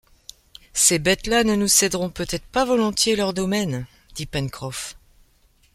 Ces bêtes-là ne nous céderont peut-être pas volontiers leur domaine ? dit Pencroff